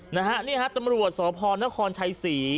นะฮะนี่ฮะตำรวจสพนครชัยศรี